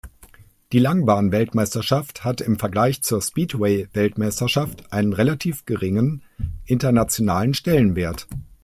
Die Langbahn-Weltmeisterschaft hat im Vergleich zur Speedway-Weltmeisterschaft einen relativ geringen internationalen Stellenwert.